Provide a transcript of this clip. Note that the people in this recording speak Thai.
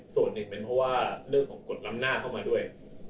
ส่วนหนึ่งเป็นเพราะว่าเรื่องของกฎล้ำหน้าเข้ามาด้วย